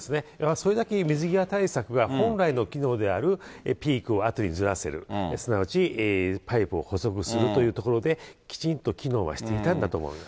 それだけ水際対策が本来の機能である、ピークをあとにずらせる、すなわち、パイプを細くするというところで、きちんと機能はしていたんだと思います。